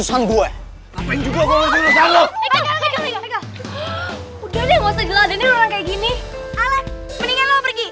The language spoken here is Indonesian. kayak gini alat mendingan lo pergi